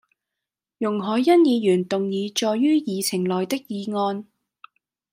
容海恩議員動議載於議程內的議案